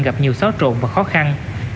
gặp nhiều xóa trộn và khó khăn